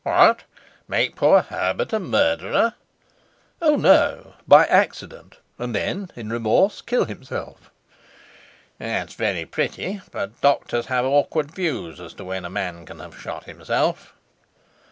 "What, make poor Herbert a murderer!" "Oh, no! By accident and then, in remorse, kill himself." "That's very pretty. But doctors have awkward views as to when a man can have shot himself."